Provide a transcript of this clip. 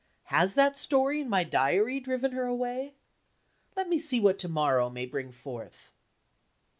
Has that story in my Diary driven her away? Let me see what to morrow may bring forth.